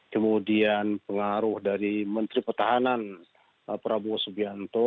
kemudian pengaruh dari menteri pertahanan prabowo subianto